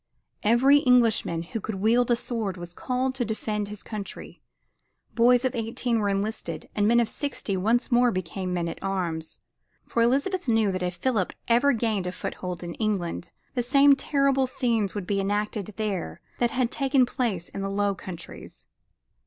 Every Englishman who could wield a sword was called to the defense of his country. Boys of eighteen were enlisted and men of sixty once more became men at arms. For Elizabeth knew that if Philip ever gained a foothold in England, the same terrible scenes would be enacted there that had taken place in the Low Countries.